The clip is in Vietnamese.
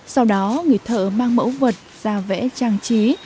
sau đó người thợ mang mẫu vật ra vẽ trang trí